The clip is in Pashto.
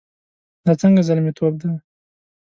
دا څنګه زلميتوب دی؟